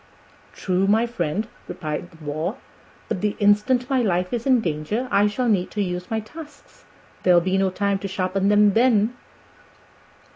"True, my friend," replied the Boar, "but the instant my life is in danger I shall need to use my tusks. There'll be no time to sharpen them then."